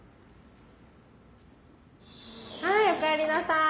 はいおかえりなさい。